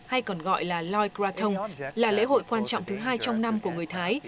hay còn gọi là loy krathon là lễ hội quan trọng thứ hai trong năm của người thái